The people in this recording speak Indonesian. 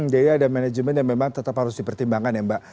jadi ada manajemen yang memang tetap harus dipertimbangkan ya mbak